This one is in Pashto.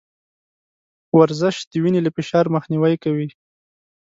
ورزش د وينې له فشار مخنيوی کوي.